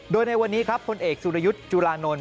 โดยในวันนี้ครับพลเอกสุรยุทธ์จุลานนท์